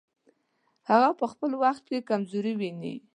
هغه په خپل وخت کې کمزوري وویني.